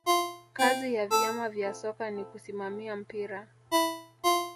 kazi ya vyama vya soka ni kusimamia mpira